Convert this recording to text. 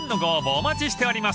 お待ちしております］